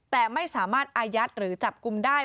แต่ไม่สามารถอายัดหรือจับกลุ่มได้